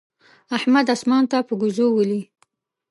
احمد اسمان په ګوزو ولي.